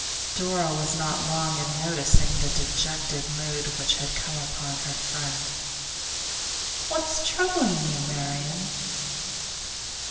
Dora was not long in noticing the dejected mood which had come upon her friend. 'What's troubling you, Marian?